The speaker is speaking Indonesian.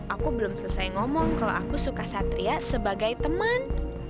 aku belum selesai ngomong kalau aku suka satria sebagai teman